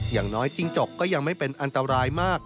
อย่างน้อยจิ้งจกก็ยังไม่เป็นอันตรายมาก